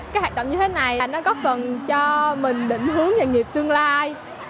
các hoạt động như thế này có phần cho mình định hướng nhà nghiệp tương lai